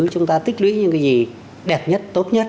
chúng ta tích lũy những cái gì đẹp nhất tốt nhất